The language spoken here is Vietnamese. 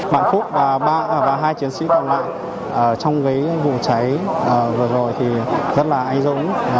vận phúc và hai chiến sĩ còn lại trong cái vụ cháy vừa rồi thì rất là anh dũng